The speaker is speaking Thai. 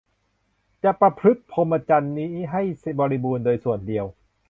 จะประพฤติพรหมจรรย์นี้ให้บริบูรณ์โดยส่วนเดียว